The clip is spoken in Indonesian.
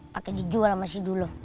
pake dijual sama si dulo